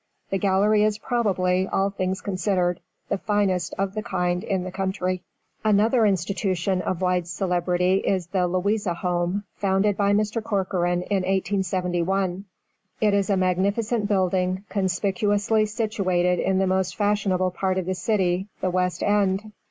The gallery is, probably, all things considered, the finest of the kind in the country. Another institution of wide celebrity is the Louisa Home, founded by Mr. Corcoran in 1871. It is a magnificent building, conspicuously situated in the most fashionable part of the city, the West End.